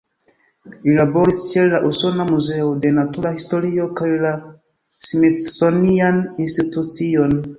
Li laboris ĉe la Usona Muzeo de Natura Historio kaj la "Smithsonian Institution".